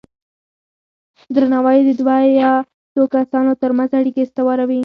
درناوی د دوه یا څو کسانو ترمنځ اړیکې استواروي.